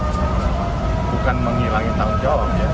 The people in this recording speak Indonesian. bukan menghilangkan tanggung jawab ya